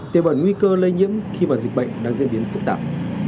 tiêu bản nguy cơ lây nhiễm khi mà dịch bệnh đang diễn biến phức tạp